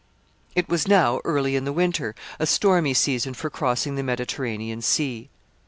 ] It was now early in the winter, a stormy season for crossing the Mediterranean Sea.